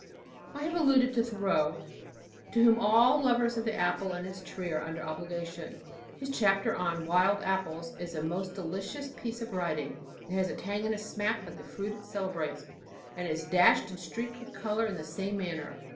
I have alluded to Thoreau, to whom all lovers of the apple and its tree are under obligation. His chapter on Wild Apples is a most delicious piece of writing. It has a "tang and smack" like the fruit it celebrates, and is dashed and streaked with color in the same manner.